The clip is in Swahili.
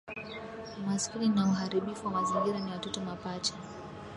Umaskini na uharibifu wa mazingira ni watoto mapacha